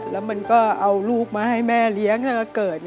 แล้วมันก็เอาลูกมาให้แม่เลี้ยงให้มาเกิด